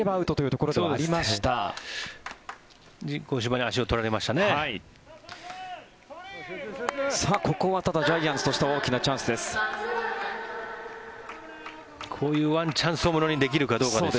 ここはただジャイアンツとしては大きなチャンスです。